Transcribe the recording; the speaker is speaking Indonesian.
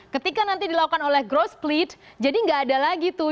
ketika nanti dilakukan oleh growth split jadi nggak ada lagi tuh